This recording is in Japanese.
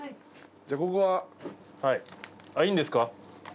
じゃあここは。いいんですか？